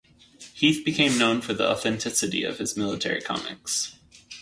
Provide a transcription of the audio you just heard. Heath became known for the authenticity of his military comics.